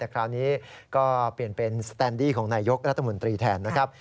คราวนี้ก็เปลี่ยนเป็นสแตนดี้ของนายยกรัฐมนตรีแทนนะครับ